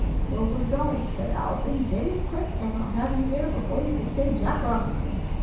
"Well, we're going," said Allison. "Get in quick, and I'll have you there before you say Jack Robinson!"